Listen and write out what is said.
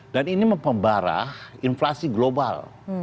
dan ini mempembarah inflasi global